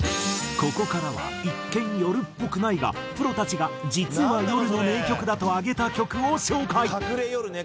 ここからは一見夜っぽくないがプロたちが実は夜の名曲だと挙げた曲を紹介。